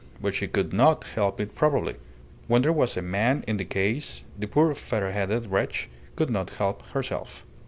But she could not help it probably. When there was a man in the case the poor featherheaded wretch could not help herself.